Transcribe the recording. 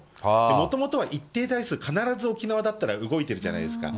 もともとは一定台数、必ず沖縄だったら、動いてるじゃないですか。